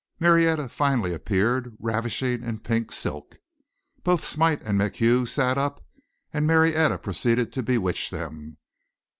Marietta finally appeared, ravishing in pink silk. Both Smite and MacHugh sat up and Marietta proceeded to bewitch them.